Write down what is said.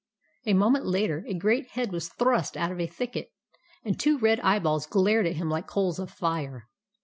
A moment later, a great head was thrust out of a thicket, and two red eyeballs glared at him like coals of fire.